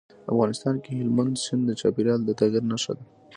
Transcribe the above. افغانستان کې هلمند سیند د چاپېریال د تغیر نښه ده.